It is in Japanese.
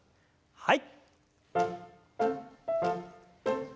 はい。